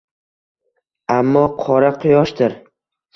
Ammo — Qora quyoshdir!